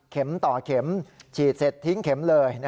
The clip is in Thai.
ต่อเข็มฉีดเสร็จทิ้งเข็มเลย